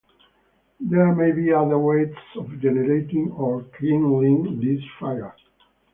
There may be other ways of generating or kindling this fire.